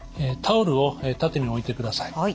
タオルを縦に置いてください。